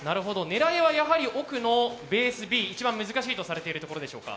狙いはやはり奥のベースＢ一番難しいとされてるところでしょうか。